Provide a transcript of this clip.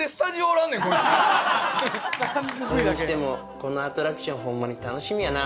それにしてもこのアトラクションほんまに楽しみやな。